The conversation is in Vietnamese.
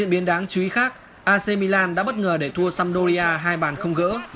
nhưng đáng chú ý khác ac milan đã bất ngờ để thua sampdoria hai bàn không gỡ